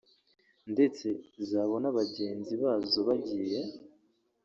ndetse zabona bagenzi bazo bagiye